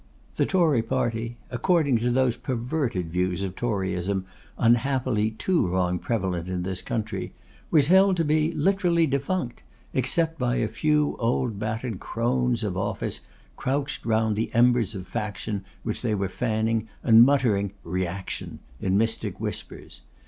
The Tory party, according to those perverted views of Toryism unhappily too long prevalent in this country, was held to be literally defunct, except by a few old battered crones of office, crouched round the embers of faction which they were fanning, and muttering 'reaction' in mystic whispers.